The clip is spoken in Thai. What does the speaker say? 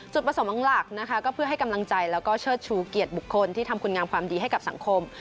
ประสงค์หลักนะคะก็เพื่อให้กำลังใจแล้วก็เชิดชูเกียรติบุคคลที่ทำคุณงามความดีให้กับสังคม